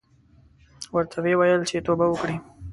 ورته ویې ویل چې توبه وکړې.